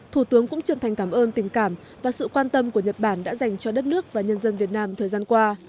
thủ tướng cũng chân thành cảm ơn tình cảm và sự quan tâm của nhật bản đã dành cho đất nước và nhân dân việt nam thời gian qua